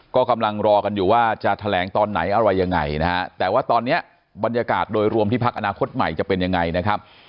ก็กำลังรอกันอยู่ว่าจะแถลงตอนไหนอะไรยังไงนะฮะแต่ว่าตอนนี้บรรยากาศโดยรวมที่พักอนาคตใหม่จะเป็นยังไงนะครับ